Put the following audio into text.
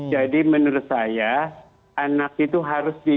jadi menurut saya anak itu harus diperbolehkan